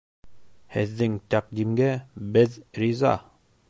Һеҙҙең тәҡдимгә беҙ риза